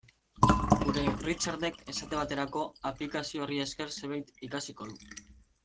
Gure Richardek, esate baterako, aplikazio horri esker zerbait ikasiko du.